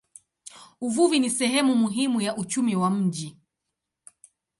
Uvuvi ni sehemu muhimu ya uchumi wa mji.